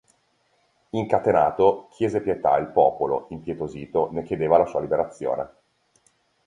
Incatenato, chiese pietà e il popolo, impietosito, ne chiedeva la sua liberazione.